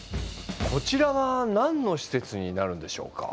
こちらは何の施設になるんでしょうか？